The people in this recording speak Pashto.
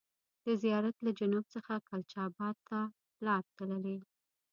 د زیارت له جنوب څخه کلچا بات ته لار تللې.